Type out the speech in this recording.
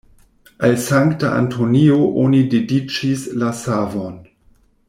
Al Sankta Antonio oni dediĉis la savon.